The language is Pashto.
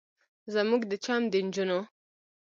زموږ د چم د نجونو